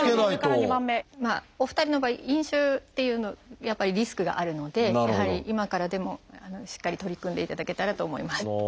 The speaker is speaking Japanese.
お二人の場合「飲酒」っていうのやっぱりリスクがあるのでやはり今からでもしっかり取り組んでいただけたらと思います。